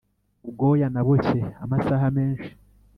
ubwoya naboshye amasaha menshi